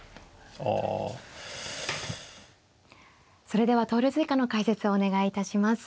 それでは投了図以下の解説お願いいたします。